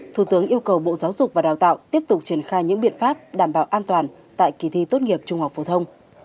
thủ tướng yêu cầu bộ giáo dục và đào tạo tiếp tục triển khai những biện pháp đảm bảo an toàn tại kỳ thi tốt nghiệp trung học phổ thông